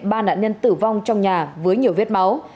ba nạn nhân tử vong trong nhà với nhiều vết máu